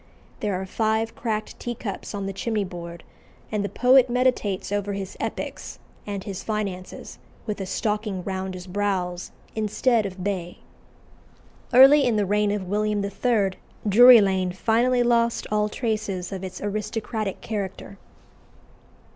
There are five cracked teacups on the chimney board; and the poet meditates over his epics and his finances with a stocking round his brows "instead of bay." Early in the reign of William III. Drury Lane finally lost all traces of its aristocratic character.